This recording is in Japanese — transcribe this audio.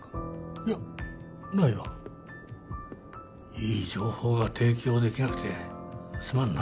いやないよいい情報が提供できなくてすまんな